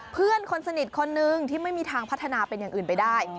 เพื่อนคนสนิทคนนึงที่ไม่มีทางพัฒนาเป็นอย่างอื่นไปได้